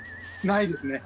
ないですね。